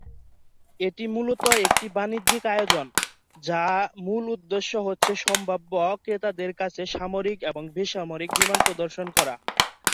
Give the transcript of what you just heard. এটি মূলত একটি বাণিজ্যিক আয়োজন যা মূল উদ্দেশ্য হচ্ছে সম্ভাব্য ক্রেতাদের কাছে সামরিক এবং বেসামরিক বিমান প্রদর্শন করা।